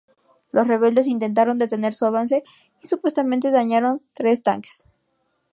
Los rebeldes intentaron detener su avance y supuestamente dañaron tres tanques.